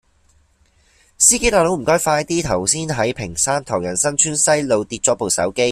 司機大佬唔該快啲，頭先喺屏山唐人新村西路跌左部手機